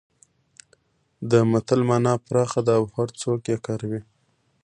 د متل مانا پراخه ده او هرڅوک یې کاروي